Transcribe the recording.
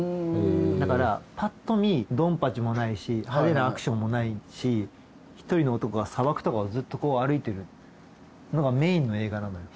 だからぱっと見ドンパチもないし派手なアクションもないし１人の男が砂漠とかをずっと歩いてるのがメインの映画なのよ。